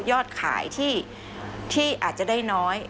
ยอดขายที่อาจจะได้น้อย